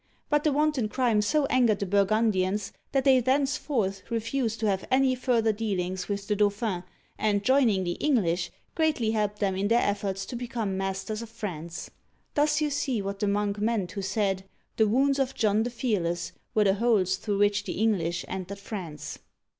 But the wanton crime so angered the Burgundians that they thenceforth refused to have any further dealings with the Dauphin, and, joining the English, greatly helped them in their efforts to become masters of France. Thus you see what the monk meant, who said, "The wounds of John the Fear less were the holes through which the English entered France